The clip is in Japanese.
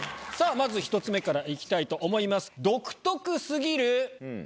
まず１つ目からいきたいと思います。